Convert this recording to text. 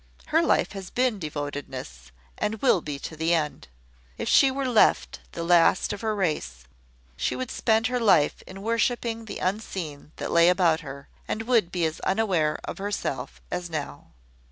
Her life has been devotedness, and will be to the end. If she were left the last of her race, she would spend her life in worshipping the unseen that lay about her, and would be as unaware of herself as now.